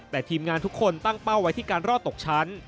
แต่ทีมงานทุกคนตั้งเป้าไว้ที่การรอดตกชั้น